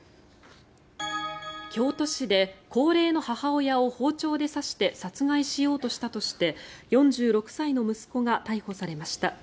京都市で高齢の母親を包丁で刺して殺害しようとしたとして４６歳の息子が逮捕されました。